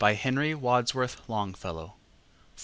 Henry Wadsworth Longfellow 778.